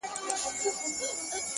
هغه تور پورې کړ چې